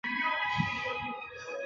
此后曾出任州众议院多数党领袖。